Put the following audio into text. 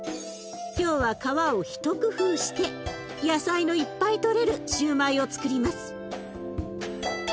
今日は皮を一工夫して野菜のいっぱいとれるシューマイをつくります。